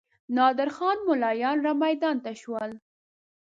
نادر خان ملایان رامیدان ته شول.